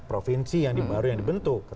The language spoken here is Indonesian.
provinsi yang baru yang dibentuk